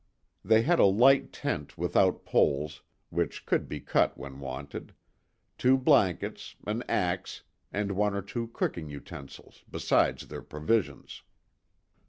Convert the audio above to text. They had a light tent without poles, which could be cut when wanted; two blankets, an axe, and one or two cooking utensils, besides their provisions.